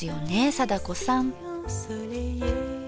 貞子さん。